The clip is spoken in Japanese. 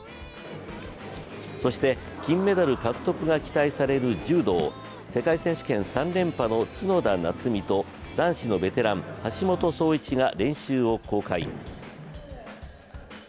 そして金メダル獲得が期待される柔道、世界選手権３連覇の角田夏実と男子のベテラン・橋本荘市が練習を公開。